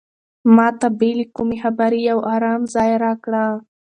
ما ته بې له کومې خبرې یو ارام ځای راکړه.